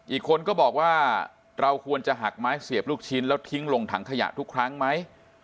อีกคนก็บอกว่าเราควรจะหักไม้เสียบลูกชิ้นแล้วทิ้งลงถังขยะทุกครั้งไหม